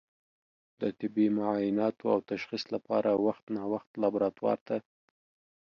د طبي معایناتو او تشخیص لپاره وخت نا وخت لابراتوار ته